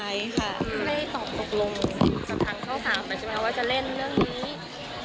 ไม่ได้ตอบตกลงกับทางเข้า๓มาใช่ไหมว่าจะเล่นเรื่องนี้